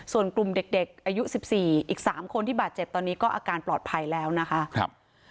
ส่วนกลุ่มเด็กอายุ๑๔อีก๓คนที่บาดเจ็บตอนนี้ก็อาการปลอดภัยแล้วนะคะ